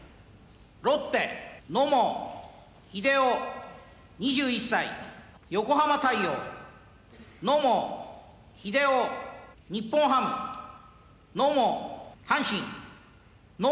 ロッテ野茂英雄２１歳横浜大洋野茂英雄日本ハム野茂阪神野